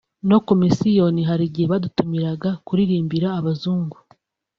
no ku misiyoni hari igihe badutumiraga kuririmbira abazungu…”